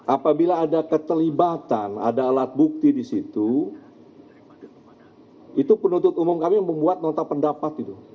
apabila ada keterlibatan ada alat bukti di situ itu penuntut umum kami membuat nota pendapat itu